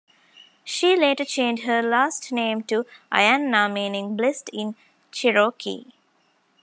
She later changed her last name to "Ayanna", meaning "blessed" in Cherokee.